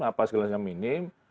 apa segalanya minim